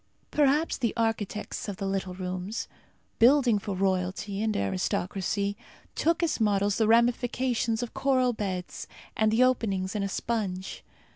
Perhaps the architects of "the little rooms," building for royalty and aristocracy, took as models the ramifications of coral beds, and the openings in a sponge.